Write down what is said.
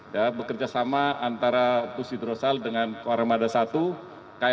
ya bekerja sama antara pusidrosal dengan warahmatullahi wabarakatuh